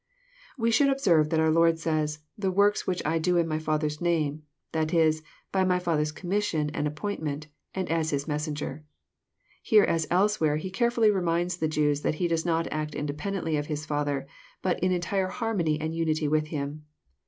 We should observe that our Lord says, «* The works which I do In my Father's name ;" that is, by my Father's commission and appointment, and as His Messenger. Here, as elsewhere, He carefblly reminds the Jews that He does not act independently of His Father, but in entire harmony and unity with Him.